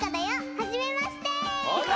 はじめまして！